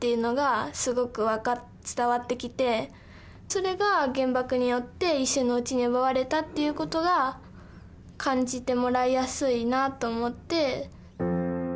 それが原爆によって一瞬のうちに奪われたっていうことが感じてもらいやすいなと思って。